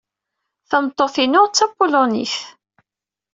Tameṭṭut-inu d Tapulunit.